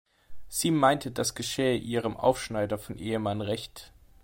Sie meint, das geschehe ihrem Aufschneider von Ehemann recht.